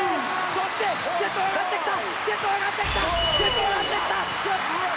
そして、瀬戸が上がってきた。